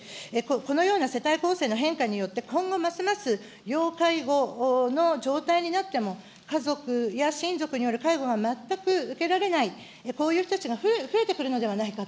このような世帯構成の変化によって今後ますます要介護の状態になっても、家族や親族による介護が全く受けられない、こういう人たちが増えてくるのではないか。